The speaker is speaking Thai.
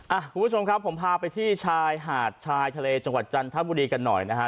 คุณผู้ชมครับผมพาไปที่ชายหาดชายทะเลจังหวัดจันทบุรีกันหน่อยนะฮะ